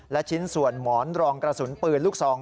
และชิ้นส่วนหมอนรองกระสุนปืนลูกซอง